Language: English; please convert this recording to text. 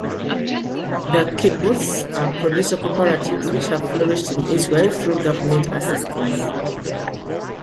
The kibbutz are producer cooperatives which have flourished in Israel through government assistance.